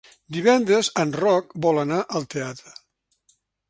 Divendres en Roc vol anar al teatre.